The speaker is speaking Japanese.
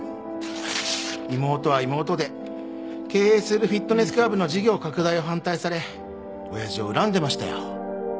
妹は妹で経営するフィットネスクラブの事業拡大を反対され親父を恨んでましたよ。